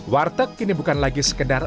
warteg kini bukan lagi sekedar